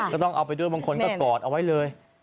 ก็ต้องเอาไปด้วยบางคนก็กอดเอาไว้เลย